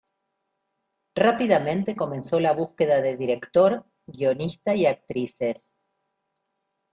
Rápidamente comenzó la búsqueda de director, guionista y actrices.